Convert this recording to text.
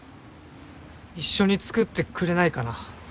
一緒につくってくれないかな。